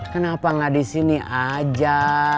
kenapa nggak di sini aja